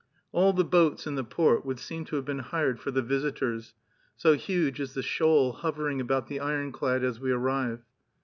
All the boats in the port would seem to have been hired for the visitors, so huge is the shoal hovering about the ironclad as we arrive.